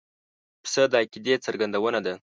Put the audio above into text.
پسه د عقیدې څرګندونه ده.